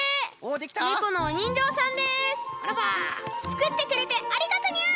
「つくってくれてありがとニャ！」。